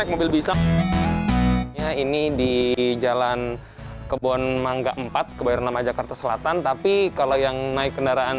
mobil bisa ini di jalan kebon mangga empat kebayarnama jakarta selatan tapi kalau yang naik kendaraan